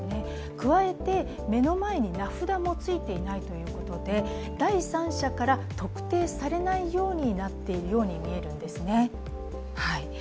加えて、目の前に名札もついていないということで、第三者から特定されないようになっているように見えるんですね。